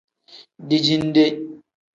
Dijinde.